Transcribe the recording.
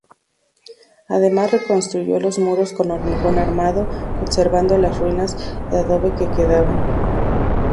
Además reconstruyó los muros con hormigón armado, conservando las ruinas de adobe que quedaban.